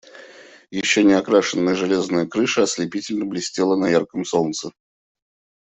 Еще не окрашенная железная крыша ослепительно блестела на ярком солнце.